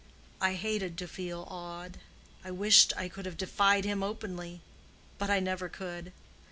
I hated to feel awed—I wished I could have defied him openly; but I never could.